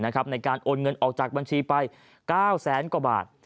ในการโอนเงินออกจากบัญชีไป๙แสนกว่าบาท